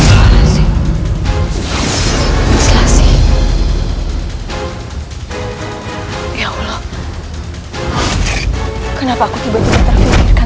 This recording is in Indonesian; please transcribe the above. dia akan berhutang putih padaku